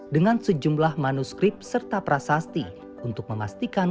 dengan sejumlah manuskrip serta prasasti untuk memastikan